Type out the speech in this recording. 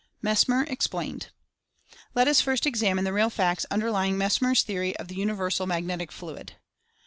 MESMER EXPLAINED. Let us first examine the real facts underlying Mes mer's theory of the Universal Magnetic Fluid.